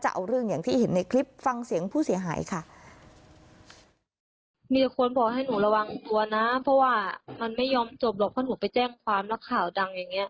จะเอาเรื่องอย่างที่เห็นในคลิปฟังเสียงผู้เสียหายค่ะ